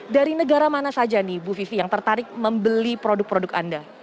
dari negara mana saja nih bu vivi yang tertarik membeli produk produk anda